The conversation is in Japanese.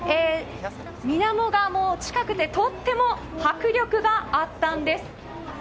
水面が近くてとっても迫力があったんです。